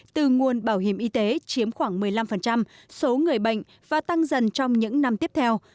từ nguồn bảo hiểm y tế chiếm khoảng một mươi năm số người bệnh và tăng dần trong những năm tiếp theo